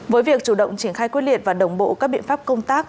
với việc chủ động triển khai quyết liệt và đồng bộ các biện pháp công tác